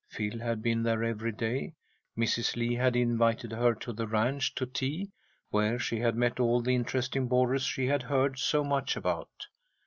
Phil had been there every day. Mrs. Lee had invited her to the ranch to tea, where she had met all the interesting boarders she had heard so much about.